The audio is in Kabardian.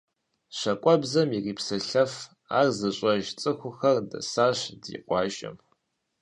ЩакӀуэбзэм ирипсэлъэф, ар зыщӀэж цӀыхухэр дэсащ ди къуажэм.